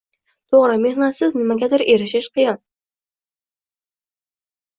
To’g’ri, mehnatsiz nimagadir erishish qiyin